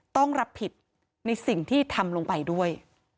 ต้องรับผิดในสิ่งที่ทำลงไปด้วย